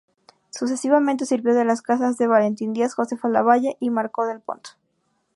Sucesivamente, sirvió en las casas de Valentín Díaz, Josefa Lavalle y Marcó del Pont.